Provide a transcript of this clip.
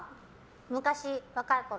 昔、若いころ。